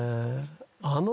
あの。